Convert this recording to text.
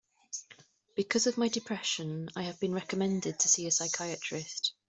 Because of my depression, I have been recommended to see a psychiatrist.